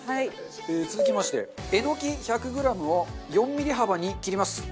続きましてえのき１００グラムを４ミリ幅に切ります。